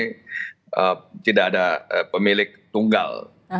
golkar ini tidak ada pemilik tunggal